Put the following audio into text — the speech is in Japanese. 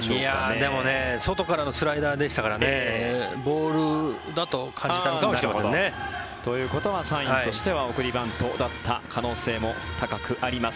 でもね外からのスライダーでしたからねボールだと感じたのかもしれませんね。ということはサインとしては送りバントだった可能性も高くあります。